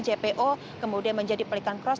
jpo kemudian menjadi pelikan cross